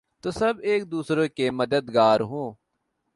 تو سب ایک دوسرے کے مددگار ہوں۔